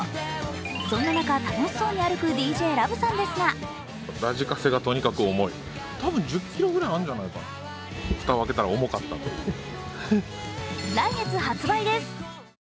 そんな中、楽しそうに歩くＤＪＬＯＶＥさんですが来月発売です。